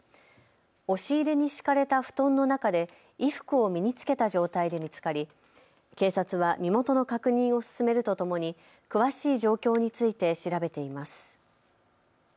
押し入れに敷かれた布団の中で衣服を身に着けた状態で見つかり警察は身元の確認を進めるとともに詳しい状況について調べています。